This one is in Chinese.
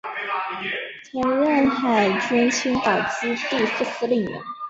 曾任海军青岛基地副司令员。